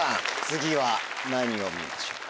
次は何を見ましょう？